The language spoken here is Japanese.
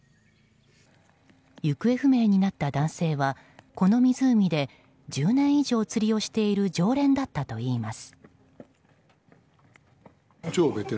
行方不明になった男性はこの湖で１０年以上釣りをしている常連だったといいます。